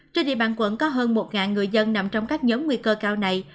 trên địa bàn quận có hơn một người dân nằm trong các nhóm nguy cơ cao này